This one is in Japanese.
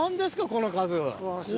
この数。